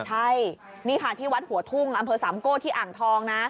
ใช่นี่ค่ะที่วัดหัวทุ่งอำเภอสามโก้ที่อ่างทองนะ